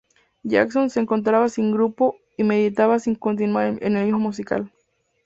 Johnson se encontraba sin grupo y meditaba si continuar en el mundo musical.